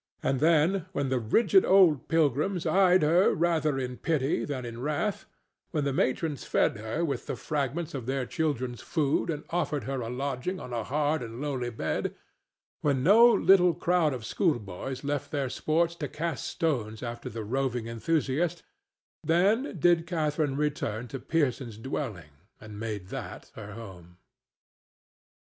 And then, when the rigid old Pilgrims eyed her rather in pity than in wrath, when the matrons fed her with the fragments of their children's food and offered her a lodging on a hard and lowly bed, when no little crowd of schoolboys left their sports to cast stones after the roving enthusiast,—then did Catharine return to Pearson's dwelling, and made that her home.